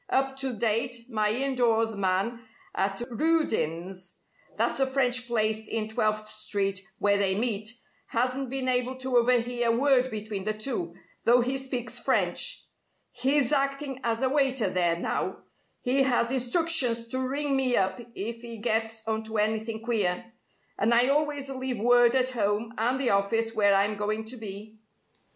Up to date, my indoors man at Rudin's that's the French place in Twelfth Street where they meet hasn't been able to overhear a word between the two, though he speaks French. He's acting as a waiter there now. He has instructions to ring me up if he gets onto anything queer. And I always leave word at home and the office where I'm going to be."